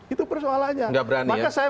itu persoalannya maka saya